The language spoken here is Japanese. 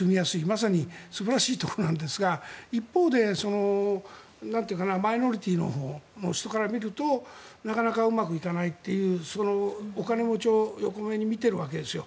まさに素晴らしいところなんですが一方で、マイノリティーの人から見るとなかなかうまくいかないというお金持ちを横目に見ているわけですよ。